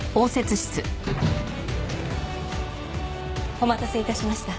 お待たせ致しました。